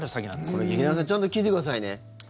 これ、劇団さんちゃん聞いててくださいね！